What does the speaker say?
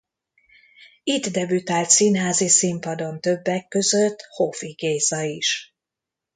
Itt debütált színházi színpadon többek között Hofi Géza is.